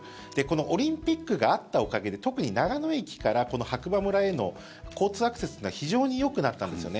オリンピックがあったおかげで特に長野駅から白馬村への交通アクセスが非常によくなったんですよね。